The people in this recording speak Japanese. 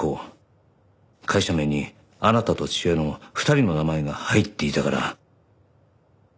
会社名にあなたと父親の２人の名前が入っていたから。